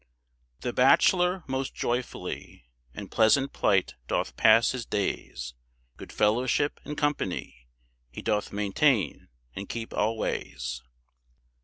The Bachelor most joyfully In pleasant plight doth pass his daies, Good fellowship and companie He doth maintain and kepe alwaies.